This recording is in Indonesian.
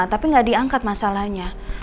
tapi nggak diangkat masalahnya